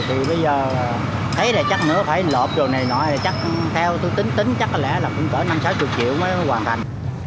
thì bây giờ thấy là chắc nữa phải lộp rồi này nọ là chắc theo tôi tính tính chắc lẽ là cũng cỡ năm sáu mươi triệu mới hoàn thành